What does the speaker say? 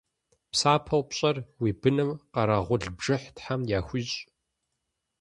Псапэу пщӏэр уи быным къэрэгъул бжыхь Тхьэм яхуищӏ.